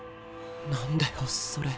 何だよそれ。